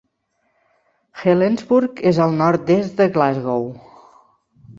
Helensburgh és al nord-est de Glasgow.